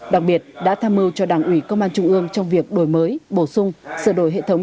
đặc biệt đã tham mưu cho đảng ủy công an trung ương trong việc đổi mới bổ sung sửa đổi hệ thống